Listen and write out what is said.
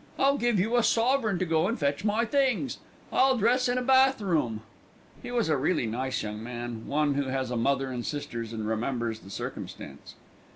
"I'll give you a sovereign to go and fetch my things. I'll dress in a bath room." He was a really nice young man, one who has a mother and sisters and remembers the circumstance.